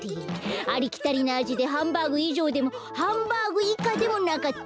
ありきたりなあじでハンバーグいじょうでもハンバーグいかでもなかった。